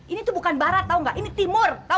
ini tuh bukan barat tahu gak ini timur